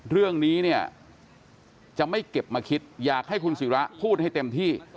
เรื่องนี้เนี่ยจะไม่เก็บมาคิดอยากให้คุณศิระพูดให้เต็มที่